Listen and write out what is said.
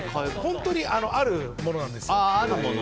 本当にあるものなんです。